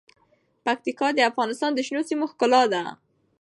پکتیکا د افغانستان د شنو سیمو ښکلا ده.